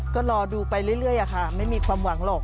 ก็รอดูไปเรื่อยค่ะไม่มีความหวังหรอก